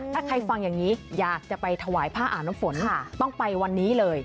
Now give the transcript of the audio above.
ถ้าใครฟังอย่างนี้อยากจะไปถวายผ้าอาบน้ำฝนต้องไปวันนี้เลย